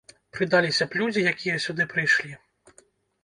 Прыдаліся б людзі, якія сюды прышлі.